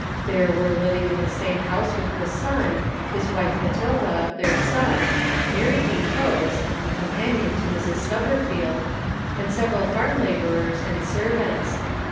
There were living in the same house with the son, his wife Matilda, their son, Mary Deeprose (a companion to Mrs Stubberfield), and several farm labourers and servants.